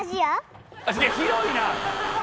広いな。